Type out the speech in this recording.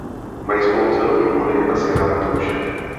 Mají spolu dceru Julii a syna Matouše.